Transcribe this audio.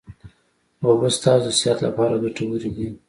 اوبه ستاسو د صحت لپاره ګټوري دي